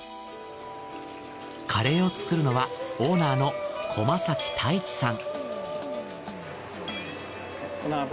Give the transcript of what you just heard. カレーを作るのはオーナーの駒泰一さん。